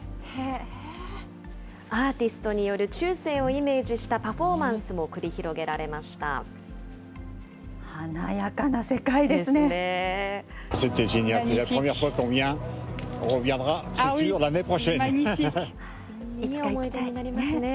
アーティストによる中世をイメージしたパフォーマンスも繰り華やかな世界ですね。ですね。